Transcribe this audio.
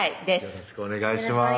よろしくお願いします